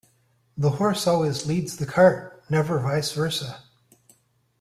The horse always leads the cart, never vice versa.